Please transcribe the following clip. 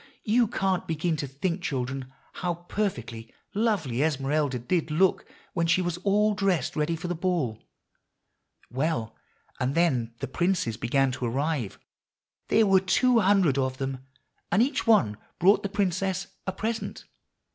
you can't begin to think, children, how perfectly lovely Esmeralda did look when she was all dressed ready for the Ball. Well, and then the princes began to arrive. There were two hundred of them, and each one brought the princess a present.